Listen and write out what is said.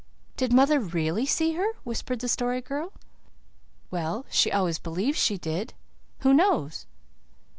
"Did mother really see her?" whispered the Story Girl. "Well, she always believed she did. Who knows?"